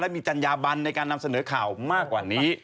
มีจัญญาบันในการนำเสนอข่าวมากกว่านี้